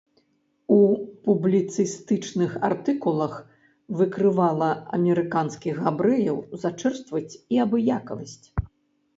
У публіцыстычных артыкулах выкрывала амерыканскіх габрэяў за чэрствасць і абыякавасць.